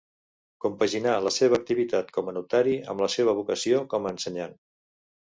Compaginà la seva activitat com a notari amb la seva vocació com a ensenyant.